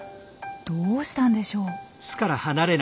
どうしたんでしょう？